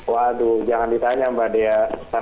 waduh jangan ditanya mbak dea